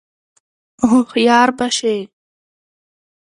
هوښیار به شې !